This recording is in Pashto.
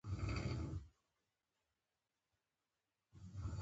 یا هم بې وسلې انسانان یرغمالوي.